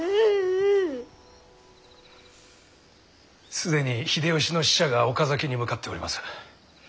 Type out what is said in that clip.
既に秀吉の使者が岡崎に向かっております。